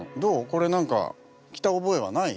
これ何か着た覚えはない？